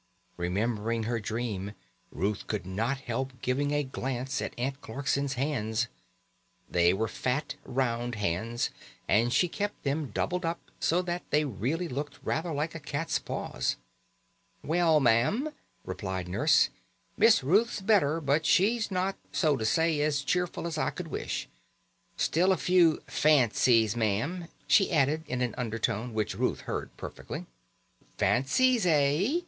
Remembering her dream, Ruth could not help giving a glance at Aunt Clarkson's hands. They were fat, round hands, and she kept them doubled up, so that they really looked rather like a cat's paws. "Well, ma'am," replied Nurse, "Miss Ruth's better; but she's not, so to say, as cheerful as I could wish. Still a few fancies ma'am," she added in an undertone, which Ruth heard perfectly. "Fancies, eh?"